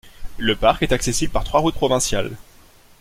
Le parc est accessible par trois routes provinciales.